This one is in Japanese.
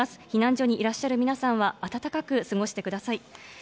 避難所にいらっしゃる皆さんは、暖かく過ごしてください。